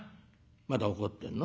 まだ怒ってんの？